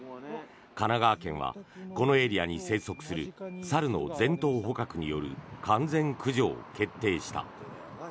神奈川県はこのエリアに生息する猿の全頭捕獲による完全駆除を決定した。